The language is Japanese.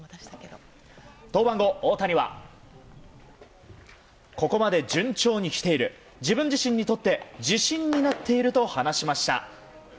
登板後、大谷はここまで順調に来ている自分自身にとって自信になっていると話しました。